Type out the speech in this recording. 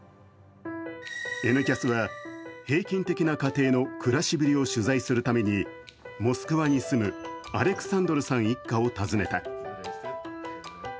「Ｎキャス」は平均的な家庭の暮らしぶりを取材するためにモスクワに住むアレクサンドルさん一家を訪ねた。